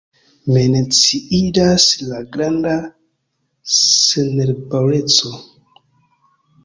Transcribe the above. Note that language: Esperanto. Menciindas la granda senlaboreco.